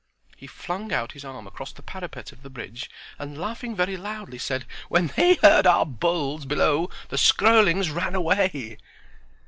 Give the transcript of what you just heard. He flung out his arm across the parapet of the bridge, and laughing very loudly, said: "When they heard our bulls bellow the Skroelings ran away!"